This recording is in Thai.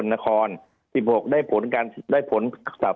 ภารกิจสรรค์ภารกิจสรรค์